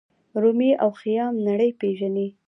رومي او خیام نړۍ پیژني.